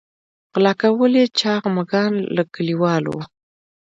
غلا کول یې چاغ مږان له کلیوالو.